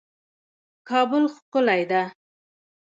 کابل ښکلی ده